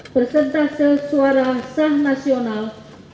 persentase suara sah nasional